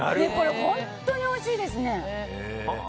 本当においしいですね。